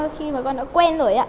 khi mà con đã quen rồi